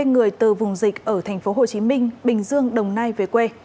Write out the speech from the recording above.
thuê người từ vùng dịch ở thành phố hồ chí minh bình dương đồng nai về quê